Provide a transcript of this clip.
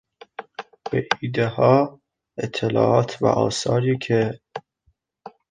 به ایدهها، اطلاعات و آثاری که